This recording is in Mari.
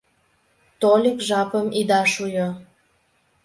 Тольык жапым ида шуйо.